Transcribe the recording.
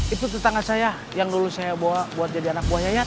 itu tetangga saya yang dulu saya bawa buat jadi anak buaya ya